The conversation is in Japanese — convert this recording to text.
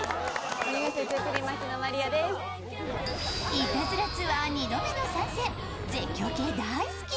いたずらツアー２度目の参戦絶叫系大好き。